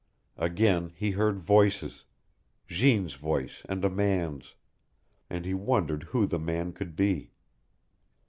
Again he heard voices, Jeanne's voice and a man's, and he wondered who the man could be.